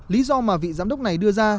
lý do mà vị giám đốc này đưa ra